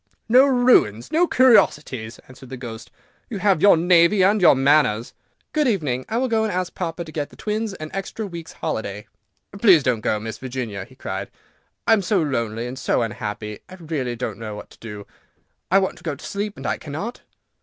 "No ruins! no curiosities!" answered the Ghost; "you have your navy and your manners." "Good evening; I will go and ask papa to get the twins an extra week's holiday." "Please don't go, Miss Virginia," he cried; "I am so lonely and so unhappy, and I really don't know what to do. I want to go to sleep and I cannot."